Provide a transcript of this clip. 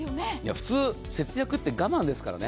普通、節約って我慢ですからね。